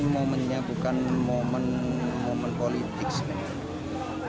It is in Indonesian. momennya bukan momen momen politik sebenarnya